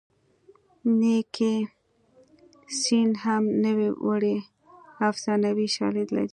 نیکي سین هم نه وړي افسانوي شالید لري